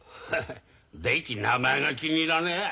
第一名前が気に入らねえ。